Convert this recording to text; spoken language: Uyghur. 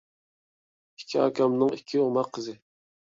ئىككى ئاكامنىڭ ئىككى ئوماق قىزى.